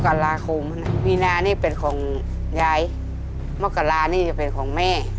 กราคมมีนานี่เป็นของยายมกรานี่จะเป็นของแม่